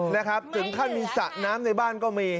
นะครับถึงขั้นมีสระน้ำในบ้านก็มี